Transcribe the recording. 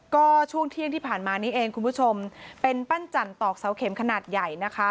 ก็ช่วงเที่ยงที่ผ่านมานี้เองคุณผู้ชมเป็นปั้นจันตอกเสาเข็มขนาดใหญ่นะคะ